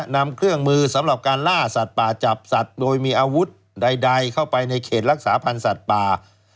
นำเครื่องมือสำหรับการล่าสัตว์ป่าจับสัตว์โดยมีอาวุธใดเข้าไปในเขตรักษาพันธ์สัตว์ป่า